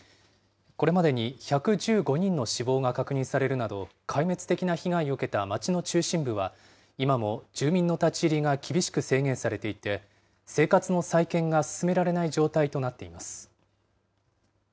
これまでに１１５人の死亡が確認されるなど、壊滅的な被害を受けた街の中心部は、今も住民の立ち入りが厳しく制限されていて、生活の再建が進められない状態となっています。